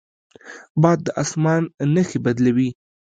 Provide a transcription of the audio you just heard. باد د اسمان نښې بدلوي